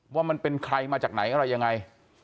ว่ามันเป็นใครมาจากไหนอะไรยังไง